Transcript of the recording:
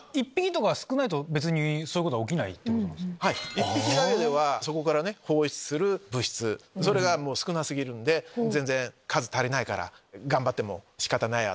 １匹だけでは放出する物質が少な過ぎるんで全然数足りないから頑張っても仕方ないや！